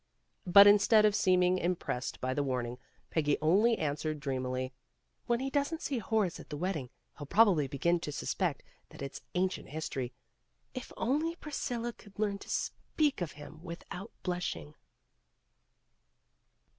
But instead of seeming impressed by the warning, Peggy only answered dreamily, "When he doesn't see Horace at the wedding, he'll probably begin to suspect that it's ancient history. If only Priscilla could learn to speak of him without blushing."